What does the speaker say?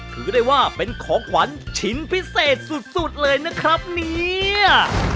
ถือได้ว่าเป็นของขวัญชิ้นพิเศษสุดเลยนะครับเนี่ย